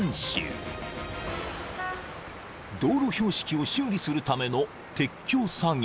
［道路標識を修理するための撤去作業］